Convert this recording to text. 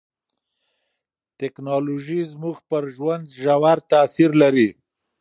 ټکنالوژي زموږ پر ژوند ژور تاثیر لري.